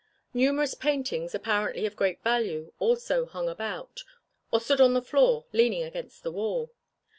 Numerous paintings apparently of great value also hung about, or stood on the floor leaning against the wall.